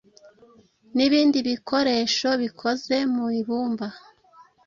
n’ibindi bikoresho bikoze mu ibumba